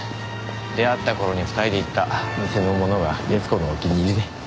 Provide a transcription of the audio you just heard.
出会った頃に２人で行った店のものが悦子のお気に入りで。